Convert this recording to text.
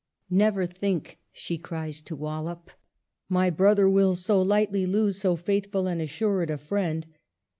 " Never think," she cries to Wallup, " my brother will so lightly lose so faithful and assured a friend